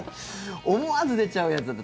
思わず出ちゃうやつだと。